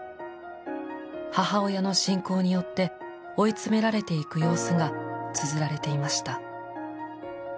母親の信仰によって追い詰められていく様子がつづられていました。